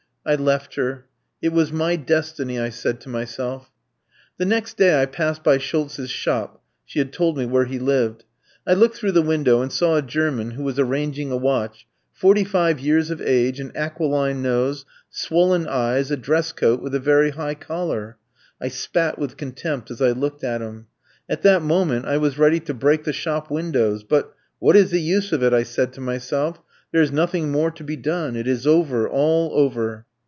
I left her. 'It was my destiny,' I said to myself. The next day I passed by Schultz' shop (she had told me where he lived). I looked through the window and saw a German, who was arranging a watch, forty five years of age, an aquiline nose, swollen eyes, a dress coat with a very high collar. I spat with contempt as I looked at him. At that moment I was ready to break the shop windows, but 'What is the use of it?' I said to myself; 'there is nothing more to be done: it is over, all over.'